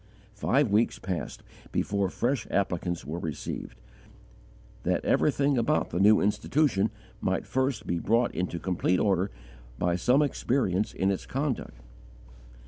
Five weeks passed before fresh applicants were received, that everything about the new institution might first be brought into complete order by some experience in its conduct.